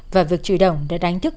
và việc chửi đồng đã đánh thức